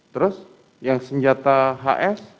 terus yang senjata hs